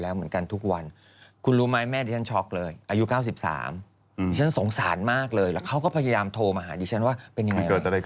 เรื่องนี้คือเล็กลอดกฎหมายมาเอาบอกงานตรง